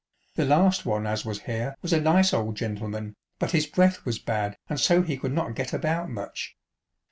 The last one as was here was a nice old gentleman, but his breath was bad, and so he could not get about much.